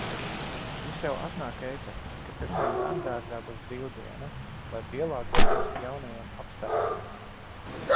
Mums jau atnāk e-pasts, ka pirmdien bērnudārzā būs brīvdiena, lai pielāgotos jaunajiem apstākļiem.